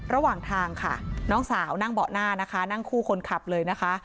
ระหว่างทางค่ะน้องสาวนั่งเบาะหน้านะคะนั่งคู่คนขับเลยนะคะ